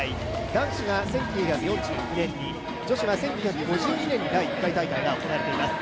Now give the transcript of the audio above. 男子が１９４２年に女子は１９５２年に第１回大会が行われています。